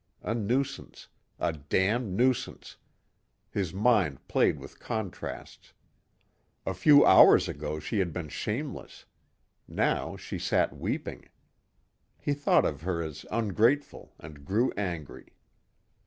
A nuisance. A damned nuisance. His mind played with contrasts. A few hours ago she had been shameless. Now she sat weeping. He thought of her as ungrateful and grew angry.